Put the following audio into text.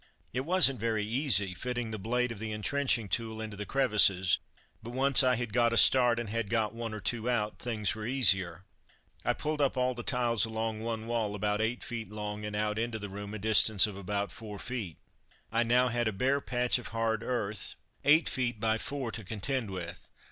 It wasn't very easy, fitting the blade of the entrenching tool into the crevices, but once I had got a start and had got one or two out, things were easier. I pulled up all the tiles along one wall about eight feet long and out into the room a distance of about four feet. I now had a bare patch of hard earth eight feet by four to contend with.